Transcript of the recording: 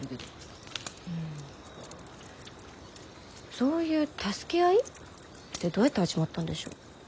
そういう助け合い？ってどうやって始まったんでしょう？